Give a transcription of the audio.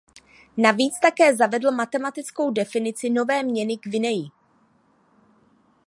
Navíc také zavedl matematickou definici nové měny guiney.